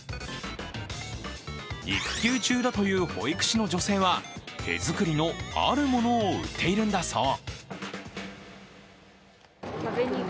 育休中だという保育士の女性は手作りの、あるものを売っているんだそう。